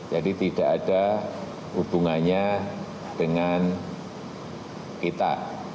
jadi tidak ada hubungannya dengan kita